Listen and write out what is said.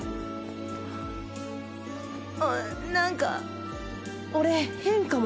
なんか俺変かも。